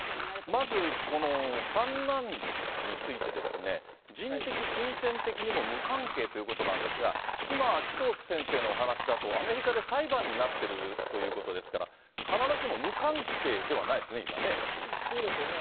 まず、この三男についてですね、人的、金銭的にも無関係ということなんですが、今、紀藤先生のお話だと、アメリカで裁判になってるということですから、必ずしも無関係でそうですよね。